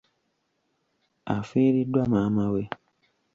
Afiiriddwa maama we.